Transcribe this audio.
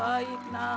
saya menurut saya